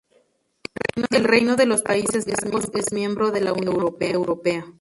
El Reino de los Países Bajos es miembro de la Unión Europea.